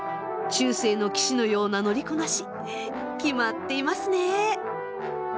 中世の騎士のような乗りこなし決まっていますね！